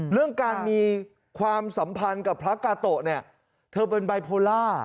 เรื่องการมีความสัมพันธ์กับพระกาโตะเนี่ยเธอเป็นบายโพล่า